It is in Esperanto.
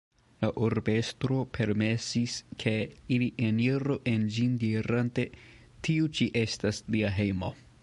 La urbestro permesis ke ili eniru en ĝin dirante "Tiu ĉi estas lia hejmo.